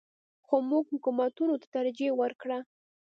خو موږ حکومتونو ته ترجیح ورکړه.